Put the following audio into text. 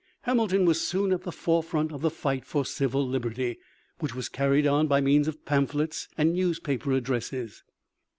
] Hamilton was soon at the forefront of the fight for civil liberty, which was carried on by means of pamphlets and newspaper addresses.